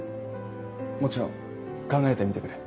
もちろん考えてみてくれ。